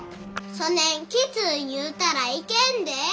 そねんきつう言うたらいけんで。